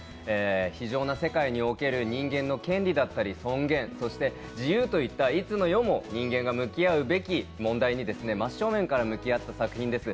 非情な世界における人間の権利だったり尊厳、そして自由といった、いつの世も人間が向き合うべき問題に真っ正面から向き合った作品です。